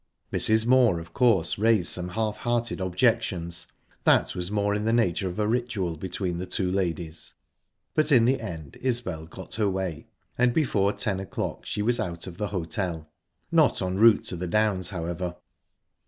Mrs. Moor, of course, raised some half hearted objections that was more in the nature of a ritual between the two ladies but in the end Isbel got her way, and before ten o'clock she was out of the hotel. Not en route to the Downs, however.